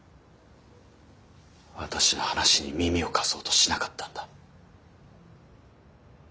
私の話に耳を貸そうとしなかったんだ。